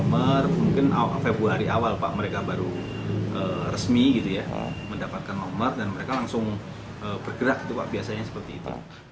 mungkin februari awal pak mereka baru resmi gitu ya mendapatkan nomor dan mereka langsung bergerak gitu pak biasanya seperti itu